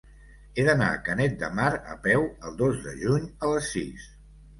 He d'anar a Canet de Mar a peu el dos de juny a les sis.